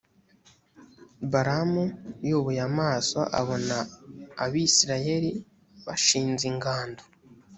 balamu yubuye amaso, abona abayisraheli bashinze ingando.